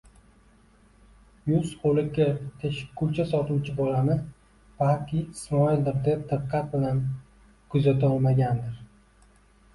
yuz-qo'li kir teshikkulcha sotuvchi bolani balki Ismoildir deb diqqat bilan kuzatolmagandir.